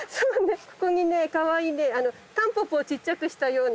ここにねかわいいねタンポポをちっちゃくしたようなね